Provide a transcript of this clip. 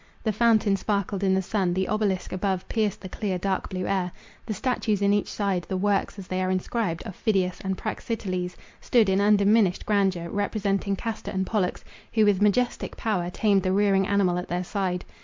The fountain sparkled in the sun; the obelisk above pierced the clear dark blue air. The statues on each side, the works, as they are inscribed, of Phidias and Praxiteles, stood in undiminished grandeur, representing Castor and Pollux, who with majestic power tamed the rearing animal at their side.